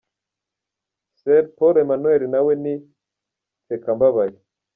Sr. Paul Emmanuel nawe ni nsekambabaye.